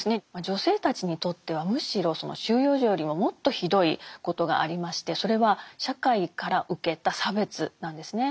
女性たちにとってはむしろその収容所よりももっとひどいことがありましてそれは社会から受けた差別なんですね。